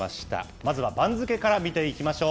まずは番付から見ていきましょう。